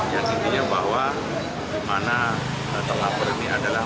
yang intinya bahwa dimana terlapor ini adalah